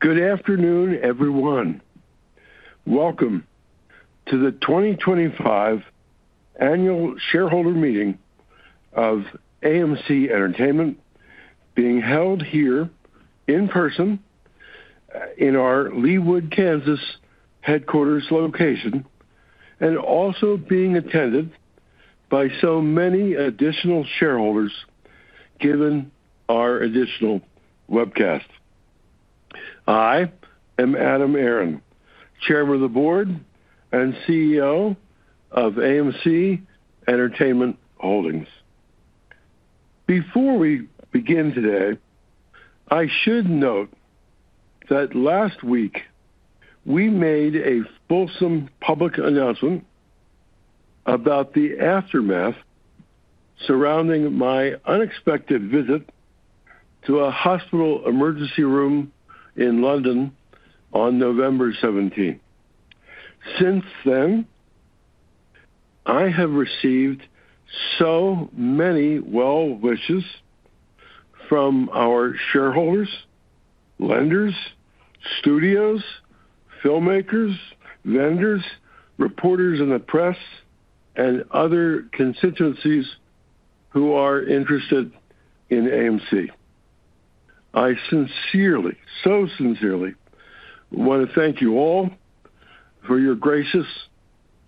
Good afternoon, everyone. Welcome to the 2025 Annual Shareholder Meeting of AMC Entertainment, being held here in person in our Leawood, Kansas, headquarters location, and also being attended by so many additional shareholders given our additional webcast. I am Adam Aron, Chairman of the Board and CEO of AMC Entertainment Holdings. Before we begin today, I should note that last week we made a fulsome public announcement about the aftermath surrounding my unexpected visit to a hospital emergency room in London on November 17. Since then, I have received so many well wishes from our shareholders, lenders, studios, filmmakers, vendors, reporters in the press, and other constituencies who are interested in AMC. I sincerely, so sincerely, want to thank you all for your gracious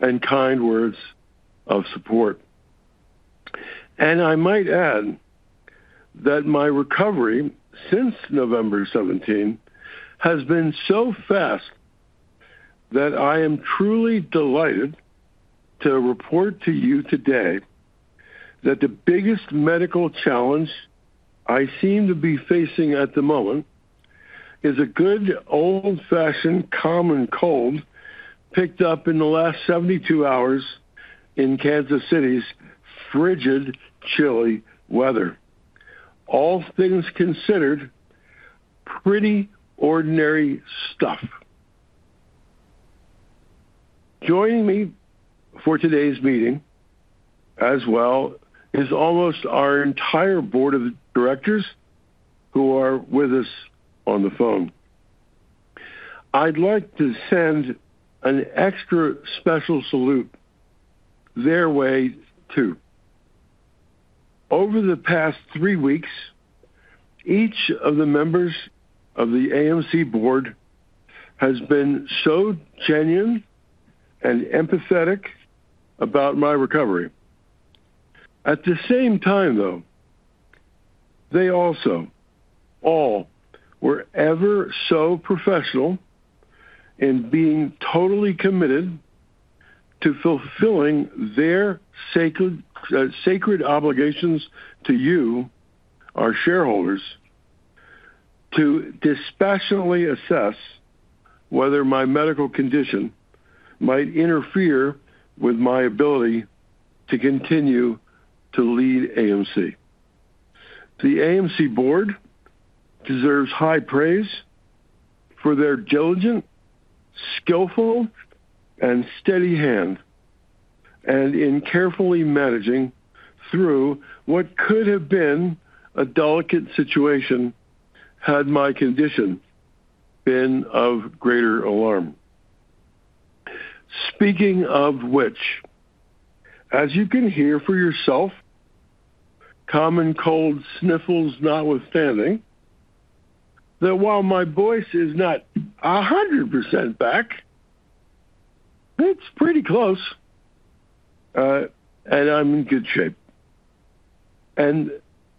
and kind words of support. And I might add that my recovery since November 17 has been so fast that I am truly delighted to report to you today that the biggest medical challenge I seem to be facing at the moment is a good old-fashioned common cold picked up in the last 72 hours in Kansas City's frigid, chilly weather. All things considered, pretty ordinary stuff. Joining me for today's meeting, as well, is almost our entire Board of Directors who are with us on the phone. I'd like to send an extra special salute their way too. Over the past three weeks, each of the members of the AMC Board has been so genuine and empathetic about my recovery. At the same time, though, they also all were ever so professional in being totally committed to fulfilling their sacred obligations to you, our shareholders, to dispassionately assess whether my medical condition might interfere with my ability to continue to lead AMC. The AMC Board deserves high praise for their diligent, skillful, and steady hand in carefully managing through what could have been a delicate situation had my condition been of greater alarm. Speaking of which, as you can hear for yourself, common cold sniffles notwithstanding, that while my voice is not 100% back, it's pretty close, and I'm in good shape. And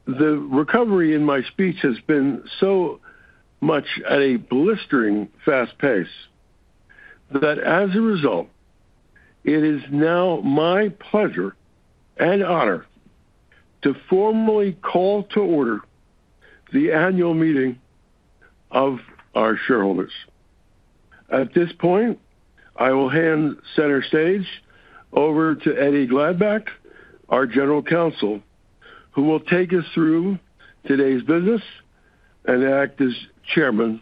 the recovery in my speech has been so much at a blistering fast pace that, as a result, it is now my pleasure and honor to formally call to order the annual meeting of our shareholders. At this point, I will hand center stage over to Eddie Gladbach, our General Counsel, who will take us through today's business and act as chairman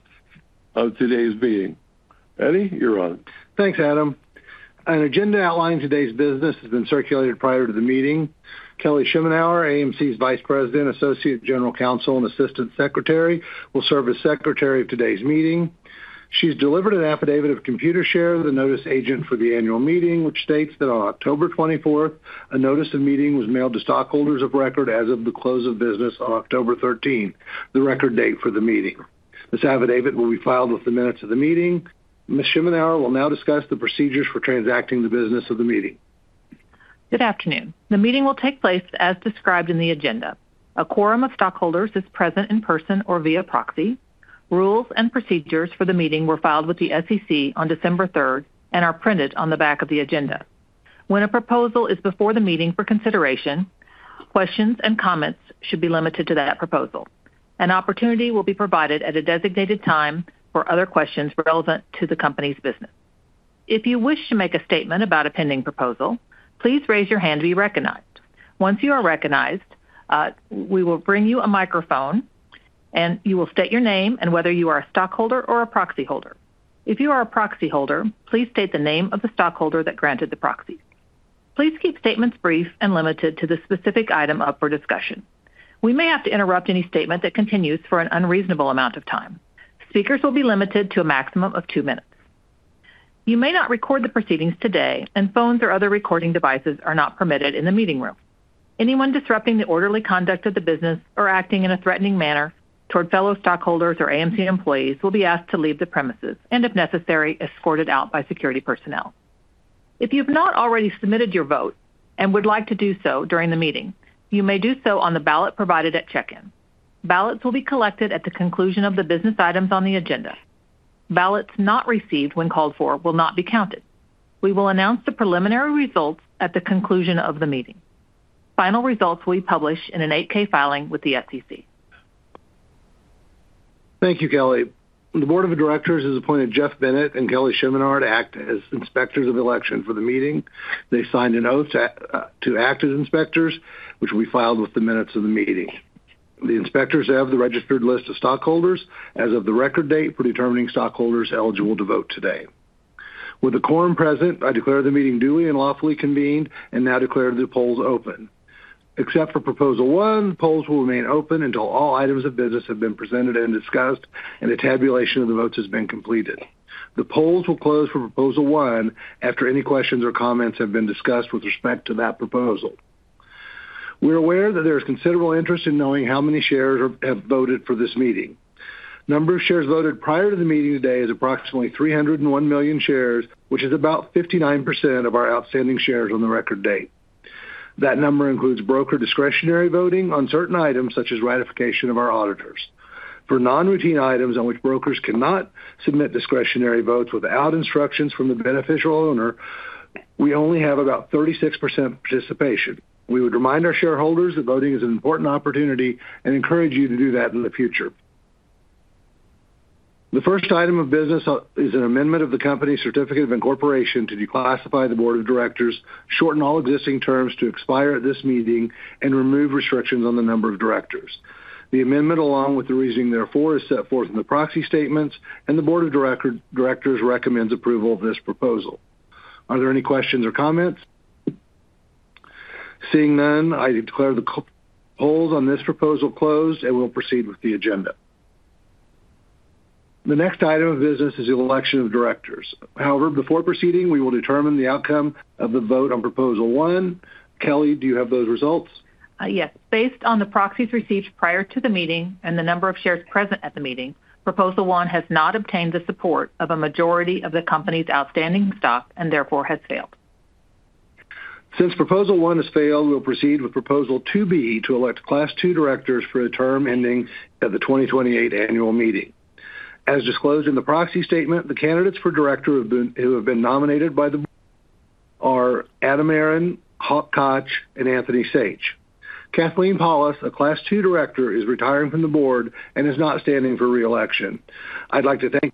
of today's meeting. Eddie, you're on. Thanks, Adam. An agenda outlining today's business has been circulated prior to the meeting. Kelly Schemenauer, AMC's Vice President, Associate General Counsel, and Assistant Secretary, will serve as secretary of today's meeting. She's delivered an affidavit of Computershare, the notice agent for the annual meeting, which states that on October 24, a notice of meeting was mailed to stockholders of record as of the close of business on October 13, the record date for the meeting. This affidavit will be filed with the minutes of the meeting. Ms. Schemenauer will now discuss the procedures for transacting the business of the meeting. Good afternoon. The meeting will take place as described in the agenda. A quorum of stockholders is present in person or via proxy. Rules and procedures for the meeting were filed with the SEC on December 3 and are printed on the back of the agenda. When a proposal is before the meeting for consideration, questions and comments should be limited to that proposal. An opportunity will be provided at a designated time for other questions relevant to the company's business. If you wish to make a statement about a pending proposal, please raise your hand to be recognized. Once you are recognized, we will bring you a microphone, and you will state your name and whether you are a stockholder or a proxy holder. If you are a proxy holder, please state the name of the stockholder that granted the proxy. Please keep statements brief and limited to the specific item up for discussion. We may have to interrupt any statement that continues for an unreasonable amount of time. Speakers will be limited to a maximum of two minutes. You may not record the proceedings today, and phones or other recording devices are not permitted in the meeting room. Anyone disrupting the orderly conduct of the business or acting in a threatening manner toward fellow stockholders or AMC employees will be asked to leave the premises and, if necessary, escorted out by security personnel. If you have not already submitted your vote and would like to do so during the meeting, you may do so on the ballot provided at check-in. Ballots will be collected at the conclusion of the business items on the agenda. Ballots not received when called for will not be counted. We will announce the preliminary results at the conclusion of the meeting. Final results will be published in an 8-K filing with the SEC. Thank you, Kelly. The Board of Directors has appointed Jeff Bennett and Kelly Schemenauer to act as inspectors of election for the meeting. They signed an oath to act as inspectors, which will be filed with the minutes of the meeting. The inspectors have the registered list of stockholders as of the record date for determining stockholders eligible to vote today. With the quorum present, I declare the meeting duly and lawfully convened and now declare the polls open. Except for Proposal 1, polls will remain open until all items of business have been presented and discussed and the tabulation of the votes has been completed. The polls will close for Proposal 1 after any questions or comments have been discussed with respect to that proposal. We're aware that there is considerable interest in knowing how many shares have voted for this meeting. The number of shares voted prior to the meeting today is approximately 301 million shares, which is about 59% of our outstanding shares on the record date. That number includes broker discretionary voting on certain items, such as ratification of our auditors. For non-routine items on which brokers cannot submit discretionary votes without instructions from the beneficial owner, we only have about 36% participation. We would remind our shareholders that voting is an important opportunity and encourage you to do that in the future. The first item of business is an amendment of the company's certificate of incorporation to declassify the Board of Directors, shorten all existing terms to expire at this meeting, and remove restrictions on the number of directors. The amendment, along with the reasoning therefor, is set forth in the proxy statements, and the Board of Directors recommends approval of this proposal. Are there any questions or comments? Seeing none, I declare the polls on this proposal closed and we'll proceed with the agenda. The next item of business is the election of directors. However, before proceeding, we will determine the outcome of the vote on Proposal 1. Kelly, do you have those results? Yes. Based on the proxies received prior to the meeting and the number of shares present at the meeting, Proposal 1 has not obtained the support of a majority of the company's outstanding stock and therefore has failed. Since Proposal 1 has failed, we'll proceed with Proposal 2B to elect Class II directors for a term ending at the 2028 annual meeting. As disclosed in the proxy statement, the candidates for director who have been nominated by the board are Adam Aron, Hawk Koch, and Anthony Saich. Kathleen Pawlus, a Class II director, is retiring from the board and is not standing for reelection. I'd like to thank.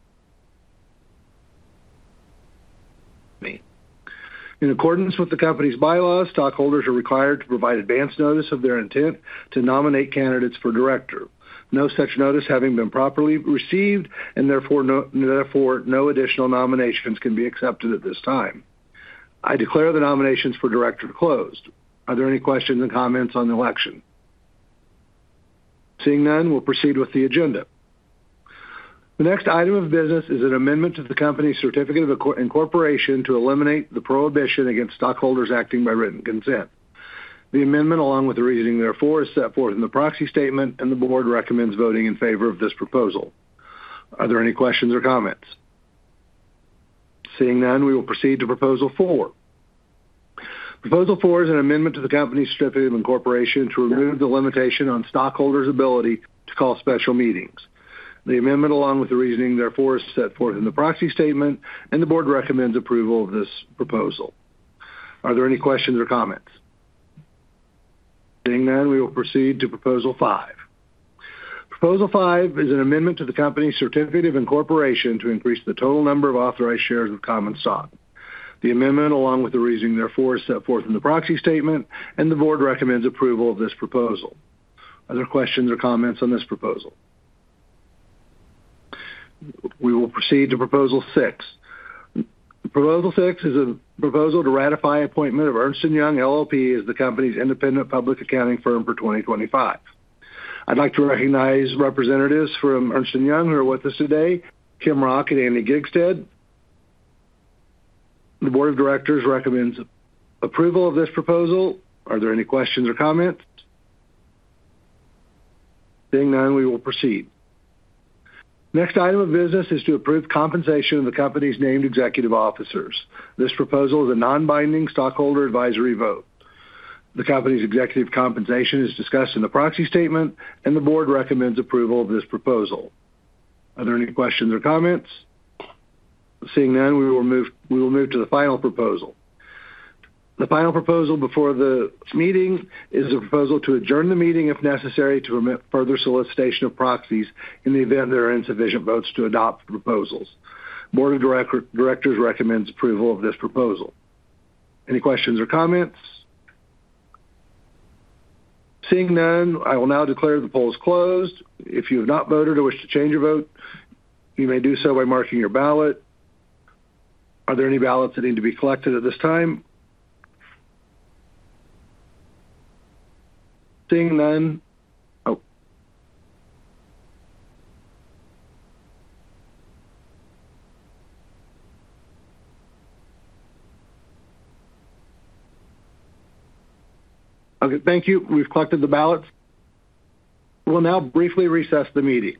In accordance with the company's bylaws, stockholders are required to provide advance notice of their intent to nominate candidates for director. No such notice having been properly received, and therefor no additional nominations can be accepted at this time. I declare the nominations for director closed. Are there any questions or comments on the election? Seeing none, we'll proceed with the agenda. The next item of business is an amendment to the company's certificate of incorporation to eliminate the prohibition against stockholders acting by written consent. The amendment, along with the reasoning therefor, is set forth in the proxy statement, and the board recommends voting in favor of this proposal. Are there any questions or comments? Seeing none, we will proceed to Proposal 4. Proposal 4 is an amendment to the company's certificate of incorporation to remove the limitation on stockholders' ability to call special meetings. The amendment, along with the reasoning therefor, is set forth in the proxy statement, and the board recommends approval of this proposal. Are there any questions or comments? Seeing none, we will proceed to Proposal 5. Proposal 5 is an amendment to the company's certificate of incorporation to increase the total number of authorized shares of common stock. The amendment, along with the reasoning therefor, is set forth in the proxy statement, and the board recommends approval of this proposal. Are there questions or comments on this proposal? We will proceed to Proposal 6. Proposal 6 is a proposal to ratify appointment of Ernst & Young LLP as the company's independent public accounting firm for 2025. I'd like to recognize representatives from Ernst & Young who are with us today: Kim Rock and Andy Gigstad. The Board of Directors recommends approval of this proposal. Are there any questions or comments? Seeing none, we will proceed. The next item of business is to approve compensation of the company's named executive officers. This proposal is a non-binding stockholder advisory vote. The company's executive compensation is discussed in the proxy statement, and the board recommends approval of this proposal. Are there any questions or comments? Seeing none, we will move to the final proposal. The final proposal before the meeting is a proposal to adjourn the meeting if necessary to permit further solicitation of proxies in the event there are insufficient votes to adopt proposals. The Board of directors recommends approval of this proposal. Any questions or comments? Seeing none, I will now declare the polls closed. If you have not voted or wish to change your vote, you may do so by marking your ballot. Are there any ballots that need to be collected at this time? Seeing none. Okay, thank you. We've collected the ballots. We'll now briefly recess the meeting.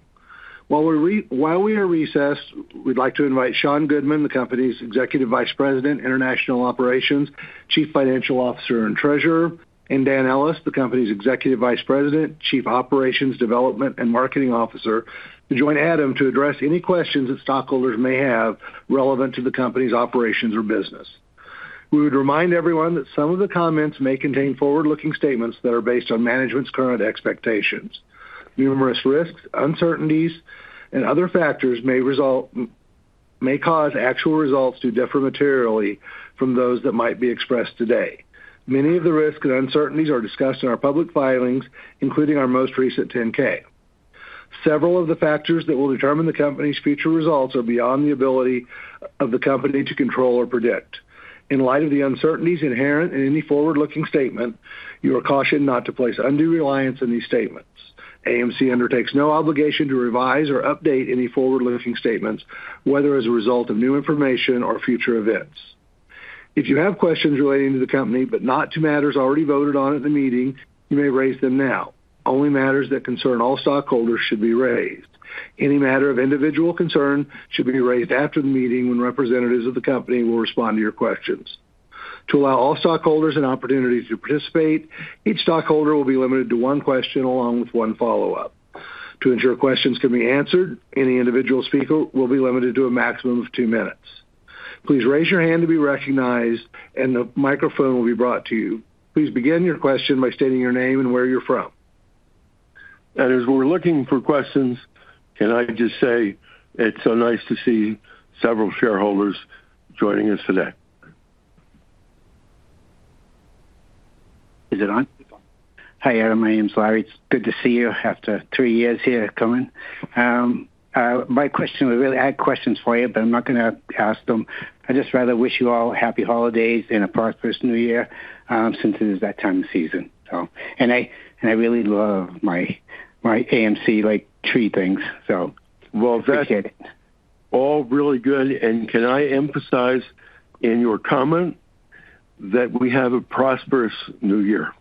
While we are recessed, we'd like to invite Sean Goodman, the company's executive vice president, international operations, chief financial officer and treasurer, and Dan Ellis, the company's executive vice president, chief operations development and marketing officer, to join Adam to address any questions that stockholders may have relevant to the company's operations or business. We would remind everyone that some of the comments may contain forward-looking statements that are based on management's current expectations. Numerous risks, uncertainties, and other factors may cause actual results to differ materially from those that might be expressed today. Many of the risks and uncertainties are discussed in our public filings, including our most recent 10-K. Several of the factors that will determine the company's future results are beyond the ability of the company to control or predict. In light of the uncertainties inherent in any forward-looking statement, you are cautioned not to place undue reliance on these statements. AMC undertakes no obligation to revise or update any forward-looking statements, whether as a result of new information or future events. If you have questions relating to the company but not to matters already voted on at the meeting, you may raise them now. Only matters that concern all stockholders should be raised. Any matter of individual concern should be raised after the meeting when representatives of the company will respond to your questions. To allow all stockholders an opportunity to participate, each stockholder will be limited to one question along with one follow-up. To ensure questions can be answered, any individual speaker will be limited to a maximum of two minutes. Please raise your hand to be recognized, and the microphone will be brought to you. Please begin your question by stating your name and where you're from. As we're looking for questions, can I just say it's so nice to see several shareholders joining us today. Is it on? Hi, Adam. My name's Larry. It's good to see you after three years here coming. My question was really I had questions for you, but I'm not going to ask them. I just rather wish you all happy holidays and a prosperous new year since it is that time of season, and I really love my AMC free things, so I appreciate it. All really good, and can I emphasize in your comment that we have a prosperous new year?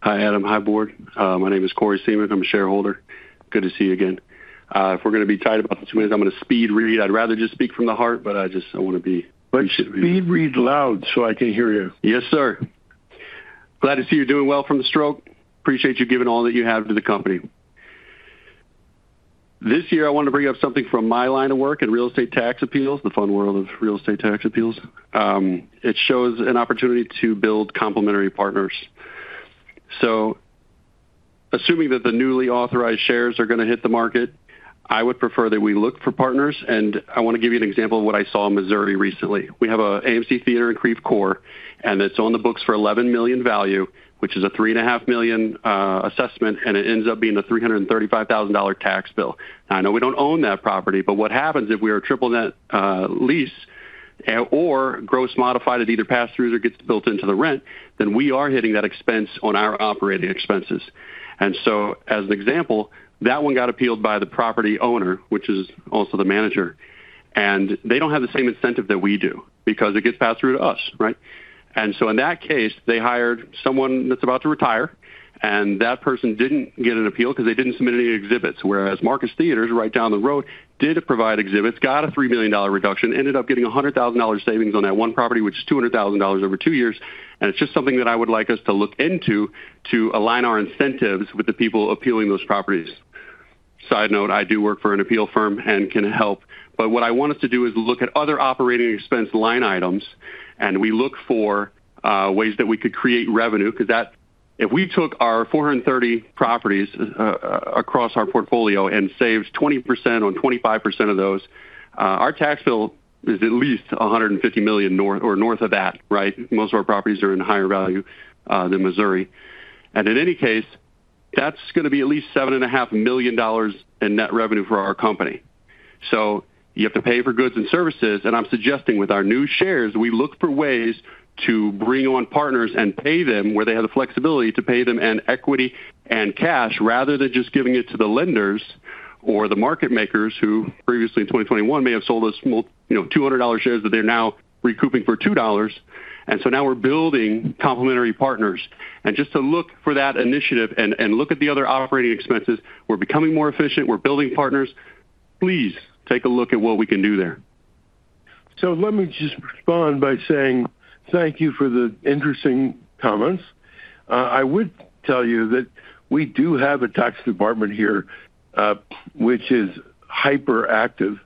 Hi, Adam. Hi, board. My name is Kory Seaman. I'm a shareholder. Good to see you again. If we're going to be tight about the two minutes, I'm going to speed read. I'd rather just speak from the heart, but I just want to be. Speak real loud so I can hear you. Yes, sir. Glad to see you're doing well from the stroke. Appreciate you giving all that you have to the company. This year, I want to bring up something from my line of work in real estate tax appeals, the fun world of real estate tax appeals. It shows an opportunity to build complementary partners. So assuming that the newly authorized shares are going to hit the market, I would prefer that we look for partners. And I want to give you an example of what I saw in Missouri recently. We have an AMC theater in Creve Coeur, and it's on the books for $11 million value, which is a $3.5 million assessment, and it ends up being a $335,000 tax bill. Now, I know we don't own that property, but what happens if we are triple net lease or modified gross at either pass-throughs or gets built into the rent, then we are hitting that expense on our operating expenses. And so as an example, that one got appealed by the property owner, which is also the manager. And they don't have the same incentive that we do because it gets passed through to us, right? And so in that case, they hired someone that's about to retire, and that person didn't get an appeal because they didn't submit any exhibits, whereas Marcus Theatres right down the road did provide exhibits, got a $3 million reduction, ended up getting $100,000 savings on that one property, which is $200,000 over two years. It's just something that I would like us to look into to align our incentives with the people appealing those properties. Side note, I do work for an appeal firm and can help. But what I want us to do is look at other operating expense line items, and we look for ways that we could create revenue because if we took our 430 properties across our portfolio and saved 20% on 25% of those, our tax bill is at least $150 million or north of that, right? Most of our properties are in higher value than Missouri. And in any case, that's going to be at least $7.5 million in net revenue for our company. So you have to pay for goods and services. And I'm suggesting with our new shares, we look for ways to bring on partners and pay them where they have the flexibility to pay them in equity and cash rather than just giving it to the lenders or the market makers who previously in 2021 may have sold us $200 shares that they're now recouping for $2. And so now we're building complementary partners. And just to look for that initiative and look at the other operating expenses, we're becoming more efficient. We're building partners. Please take a look at what we can do there. So let me just respond by saying thank you for the interesting comments. I would tell you that we do have a tax department here, which is hyperactive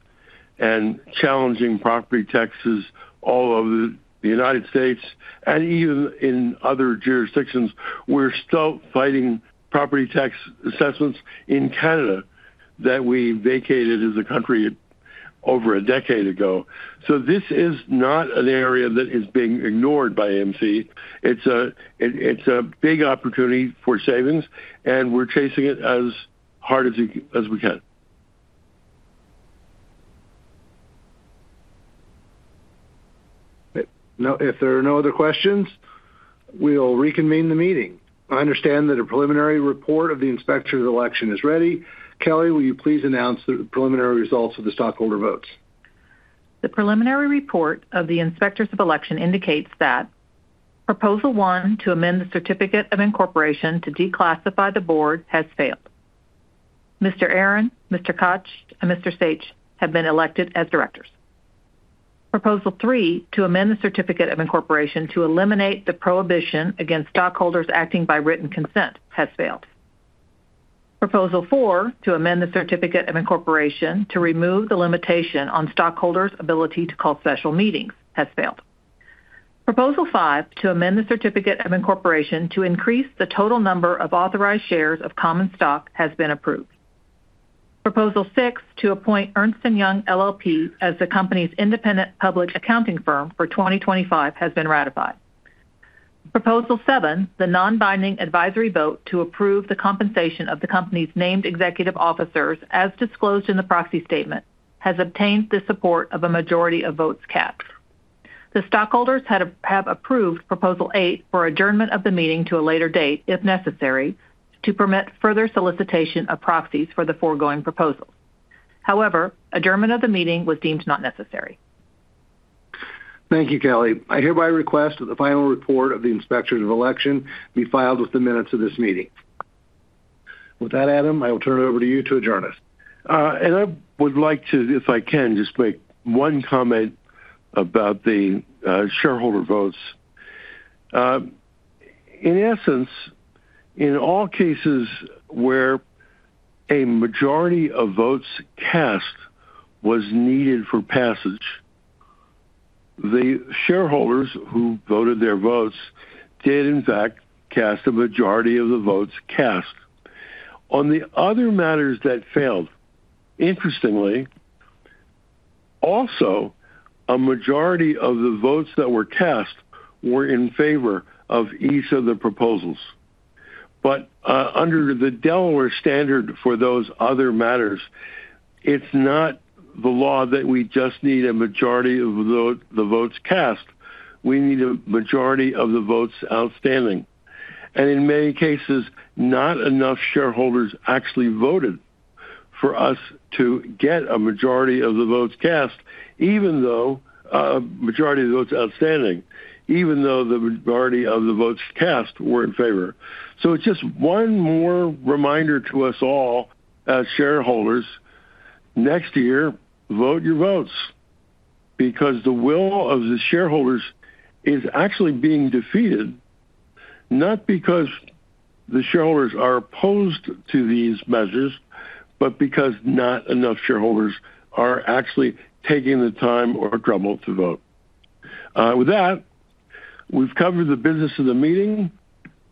and challenging property taxes all over the United States. And even in other jurisdictions, we're still fighting property tax assessments in Canada that we vacated as a country over a decade ago. So this is not an area that is being ignored by AMC. It's a big opportunity for savings, and we're chasing it as hard as we can. If there are no other questions, we'll reconvene the meeting. I understand that a preliminary report of the inspectors of election is ready. Kelly, will you please announce the preliminary results of the stockholder votes? The preliminary report of the Inspectors of Election indicates that Proposal 1 to amend the certificate of incorporation to declassify the board has failed. Mr. Aron, Mr. Koch, and Mr. Saich have been elected as directors. Proposal 3 to amend the certificate of incorporation to eliminate the prohibition against stockholders acting by written consent has failed. Proposal 4 to amend the certificate of incorporation to remove the limitation on stockholders' ability to call special meetings has failed. Proposal 5 to amend the certificate of incorporation to increase the total number of authorized shares of common stock has been approved. Proposal 6 to appoint Ernst & Young LLP as the company's independent public accounting firm for 2025 has been ratified. Proposal 7, the non-binding advisory vote to approve the compensation of the company's named executive officers as disclosed in the proxy statement has obtained the support of a majority of votes cast. The stockholders have approved Proposal 8 for adjournment of the meeting to a later date if necessary to permit further solicitation of proxies for the foregoing proposals. However, adjournment of the meeting was deemed not necessary. Thank you, Kelly. I hereby request that the final report of the Inspectors of Election be filed with the minutes of this meeting. With that, Adam, I will turn it over to you to adjourn us. And I would like to, if I can, just make one comment about the shareholder votes. In essence, in all cases where a majority of votes cast was needed for passage, the shareholders who voted their votes did, in fact, cast a majority of the votes cast. On the other matters that failed, interestingly, also a majority of the votes that were cast were in favor of each of the proposals. But under the Delaware standard for those other matters, it's not the law that we just need a majority of the votes cast. We need a majority of the votes outstanding. And in many cases, not enough shareholders actually voted for us to get a majority of the votes cast, even though a majority of the votes outstanding, even though the majority of the votes cast were in favor. So it's just one more reminder to us all as shareholders, next year, vote your votes because the will of the shareholders is actually being defeated, not because the shareholders are opposed to these measures, but because not enough shareholders are actually taking the time or trouble to vote. With that, we've covered the business of the meeting.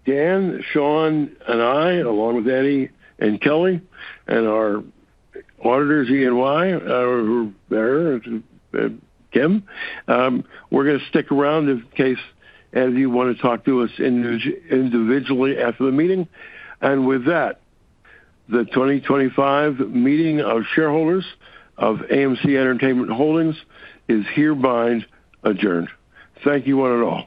Dan, Sean, and I, along with Eddie and Kelly and our auditors, EY, who are there, and Kim, we're going to stick around in case any of you want to talk to us individually after the meeting. And with that, the 2025 meeting of shareholders of AMC Entertainment Holdings is hereby adjourned. Thank you one and all.